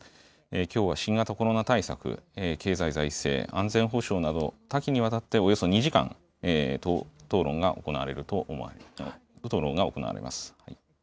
きょうは新型コロナ対策、経済・財政、安全保障など、多岐にわたっておよそ２時間、討論が行われます。